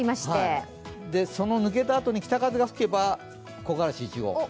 その抜けたあとに北風が吹けば木枯らし１号。